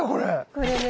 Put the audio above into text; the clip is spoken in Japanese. これね